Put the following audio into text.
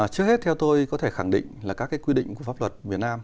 trước hết theo tôi có thể khẳng định là các quy định của pháp luật việt nam